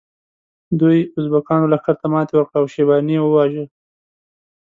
دوی ازبکانو لښکر ته ماته ورکړه او شیباني یې وواژه.